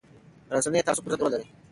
رسنۍ د تعصب پر ضد رول لري